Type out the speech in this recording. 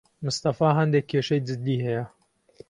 مستەفا هەندێک کێشەی جددی هەیە.